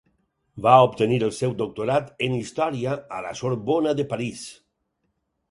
Va obtenir el seu doctorat en Història a la Sorbona de París.